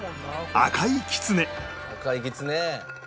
「赤いきつね！」